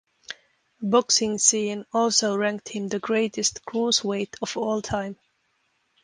"BoxingScene" also ranked him the greatest cruiserweight of all time.